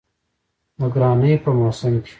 د ګرانۍ په موسم کې